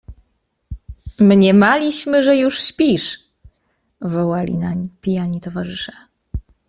Mniemaliśmy, że już śpisz — wołali nań pijani towarzysze.